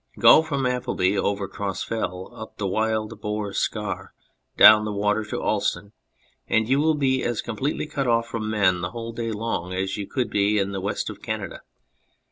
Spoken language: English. Go from Appleby over Cross Fell up Wild Boar Scar and down the water to Alston, and you will be as completely cut off from men the whole day long as you could be in the West of Canada.